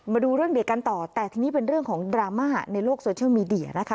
มาดูเรื่องเด็กกันต่อแต่ทีนี้เป็นเรื่องของดราม่าในโลกโซเชียลมีเดียนะคะ